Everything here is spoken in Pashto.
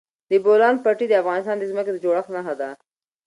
د بولان پټي د افغانستان د ځمکې د جوړښت نښه ده.